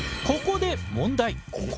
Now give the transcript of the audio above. ここで問題？